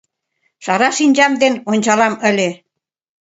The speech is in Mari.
Шара шинчам ден ончалам ыле.